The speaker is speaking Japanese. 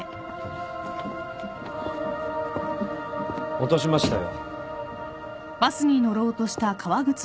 ・落としましたよ。